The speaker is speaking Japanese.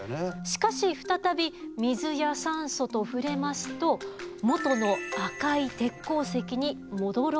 しかし再び水や酸素と触れますと元の赤い鉄鉱石に戻ろうとする。